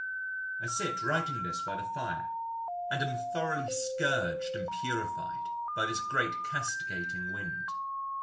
I sit writing this by the fire and am thoroughly scourged and purified by this great castigating wind....